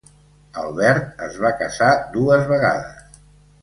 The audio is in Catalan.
Albert es va casar dues vegades.